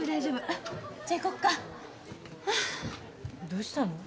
どうした？